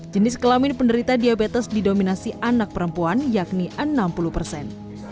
jenis kelamin penderita diabetes didominasi anak perempuan yakni enam puluh persen